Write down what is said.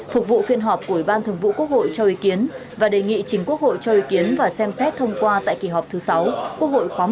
phục vụ phiên họp của ủy ban thường vụ quốc hội cho ý kiến và đề nghị chính quốc hội cho ý kiến và xem xét thông qua tại kỳ họp thứ sáu quốc hội khóa một mươi bốn